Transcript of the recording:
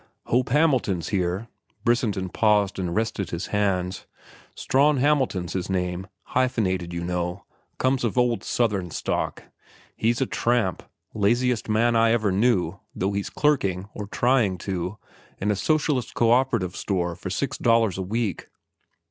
"Hope Hamilton's there." Brissenden paused and rested his hands. "Strawn Hamilton's his name—hyphenated, you know—comes of old Southern stock. He's a tramp—laziest man I ever knew, though he's clerking, or trying to, in a socialist coöperative store for six dollars a week.